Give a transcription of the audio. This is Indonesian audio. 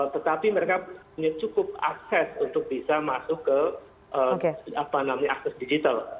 tetapi mereka punya cukup akses untuk bisa masuk ke akses digital